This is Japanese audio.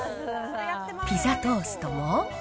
ピザトーストも。